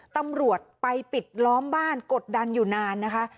ตำรวจไปปิดล้อมบ้านกดดันอยู่นานนะคะ